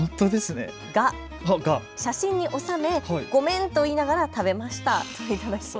が、写真に収め、ごめんと言いながら食べました。